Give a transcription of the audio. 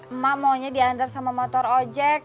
emak maunya diantar sama motor ojek